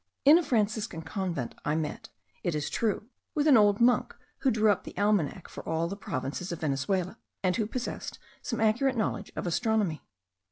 In a Franciscan convent I met, it is true, with an old monk who drew up the almanac for all the provinces of Venezuela, and who possessed some accurate knowledge of astronomy.